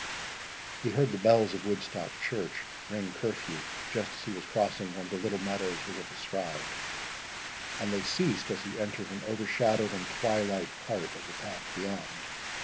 He heard the bells of Woodstock Church ring curfew, just as he was crossing one of the little meadows we have described, and they ceased as he entered an overshadowed and twilight part of the path beyond.